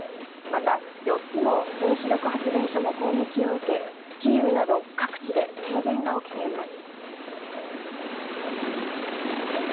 また、４つの原子力発電所も攻撃を受けキーウなど各地で停電が起きています。